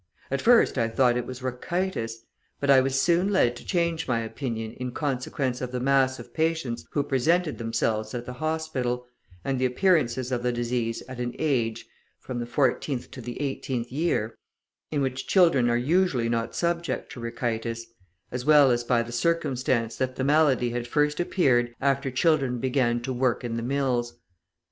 At first I thought it was rachitis, but I was soon led to change my opinion in consequence of the mass of patients who presented themselves at the hospital, and the appearances of the disease at an age (from the fourteenth to the eighteenth year) in which children are usually not subject to rachitis, as well as by the circumstance that the malady had first appeared after children began to work in the mills.